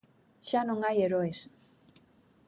Xa non hai heroes.